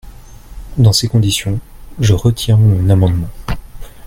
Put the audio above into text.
Dans ces conditions, je retire mon amendement.